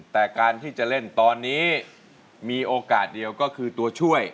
แต่การที่จะเล่นตอนนี้มีโอกาสเดียวก็คือตัวช่วย